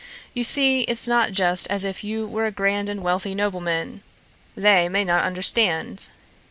You see, it's not just as if you were a grand and wealthy nobleman. They may not understand.